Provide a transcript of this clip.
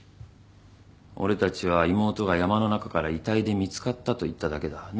俺たちは妹が山の中から遺体で見つかったと言っただけだ。